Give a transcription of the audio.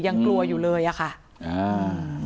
ยังกลัวอยู่เลยอ่ะค่ะอ่า